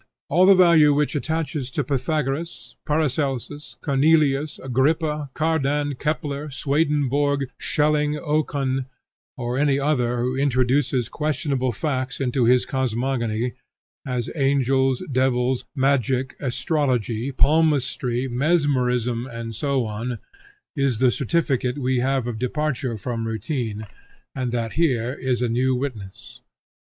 All the value which attaches to Pythagoras, Paracelsus, Cornelius Agrippa, Cardan, Kepler, Swedenborg, Schelling, Oken, or any other who introduces questionable facts into his cosmogony, as angels, devils, magic, astrology, palmistry, mesmerism, and so on, is the certificate we have of departure from routine, and that here is a new witness.